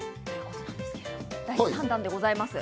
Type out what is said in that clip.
第３弾でございます。